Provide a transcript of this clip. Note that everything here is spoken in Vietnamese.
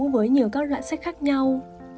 với nhiều các loại sách khác nhau